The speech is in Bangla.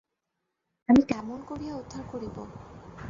আমি কেমন করিয়া উদ্ধার করিব।